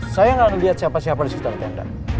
saya gak liat siapa siapa disekitar tenda